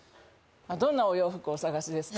どんなお洋服をお探しですか？